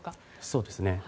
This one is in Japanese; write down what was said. そうですね。